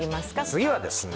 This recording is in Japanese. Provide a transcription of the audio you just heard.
次はですね